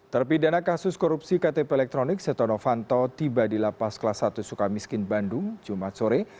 terpidana kasus korupsi ktp elektronik setonofanto tiba di lapas kelas satu suka miskin bandung jumat sore